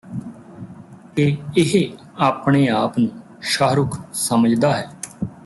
ਕਿ ਇਹ ਆਪਣੇਆਪ ਨੂੰ ਸ਼ਾਹਰੁਖ਼ ਸਮਝਦਾ ਹੈ